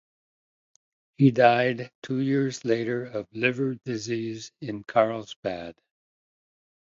He died two years later of liver disease in Karlsbad.